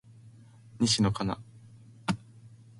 西野カナ